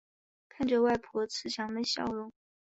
看着外婆慈祥的笑容